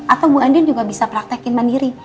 atau bu andin juga bisa praktekin sendiri